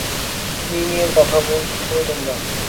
কী নিয়ে কথা বলছো তোমরা?